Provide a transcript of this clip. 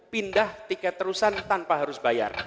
pindah tiket terusan tanpa harus bayar